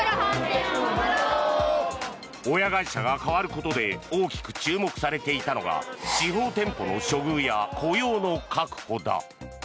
親会社が変わることで大きく注目されていたのが地方店舗の処遇や雇用の確保だ。